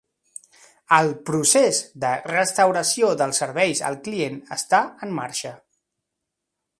El procés de restauració dels serveis al client està en marxa.